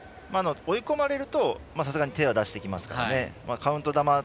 追い込まれるとさすがに手は出してきますからね。